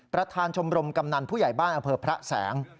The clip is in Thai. ประธานชมรมกำนันผู้ใหญ่บ้านอำเภอพระแสง